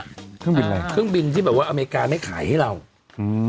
เครื่องบินอะไรเครื่องบินที่แบบว่าอเมริกาไม่ขายให้เราอืม